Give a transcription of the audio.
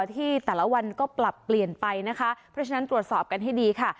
ที่แต่ละวันก็ปรับเปลี่ยนไปนะคะเพราะฉะนั้นตรวจสอบกันให้ดีค่ะ